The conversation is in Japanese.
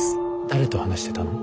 誰と話してたの？